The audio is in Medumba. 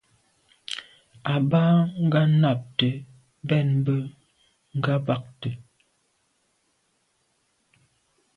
A ba nganabte mbèn mbe ngabàgte.